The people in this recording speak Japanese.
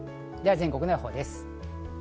全国の予報です。